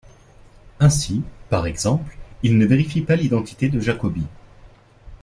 Ainsi, par exemple, il ne vérifie pas l'identité de Jacobi.